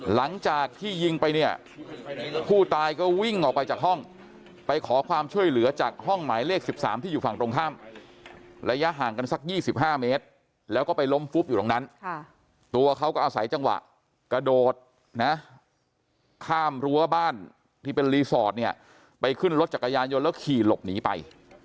หลังจากที่ยิงไปเนี่ยผู้ตายก็วิ่งออกไปจากห้องไปขอความช่วยเหลือจากห้องหมายเลข๑๓ที่อยู่ฝั่งตรงข้ามระยะห่างกันสัก๒๕เมตรแล้วก็ไปล้มฟุบอยู่ตรงนั้นตัวเขาก็อาศัยจังหวะกระโดดนะข้ามรั้วบ้านที่เป็นรีสอร์ทเนี่ยไปขึ้นรถจักรยานยนต์แล้วขี่หลบหนีไป